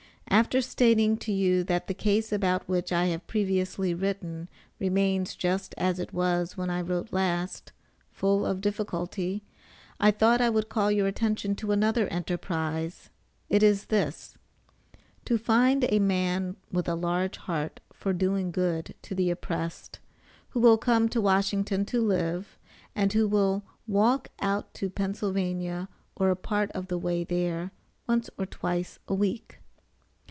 After stating to you, that the case about which I have previously written, remains just as it was when I wrote last full of difficulty I thought I would call your attention to another enterprise; it is this: to find a man with a large heart for doing good to the oppressed, who will come to Washington to live, and who will walk out to Penn'a., or a part of the way there, once or twice a week.